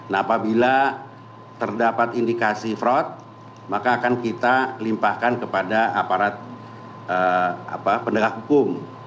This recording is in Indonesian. nah apabila terdapat indikasi fraud maka akan kita limpahkan kepada aparat penegak hukum